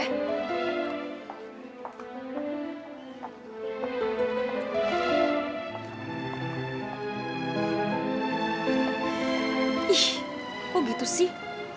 ih kok gitu sih